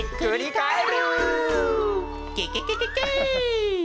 ケケケケケ！